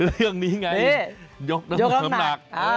เรื่องนี้ไงยกน้ำหนัก